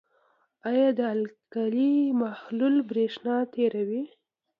آیا د القلي محلول برېښنا تیروي؟